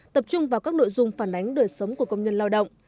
tập trung vào các nội dung phản ánh đời sống của công nhân lao động